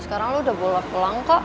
sekarang lo udah bolak bolang kok